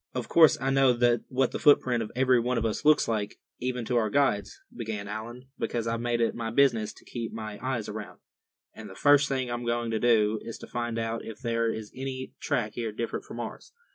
"Of course I know what the footprint of every one of us looks like, even to our guides," began Allan; "because I've made it my business to keep my eyes around. And the first thing I'm going to do is to find out if there is any track here different from ours.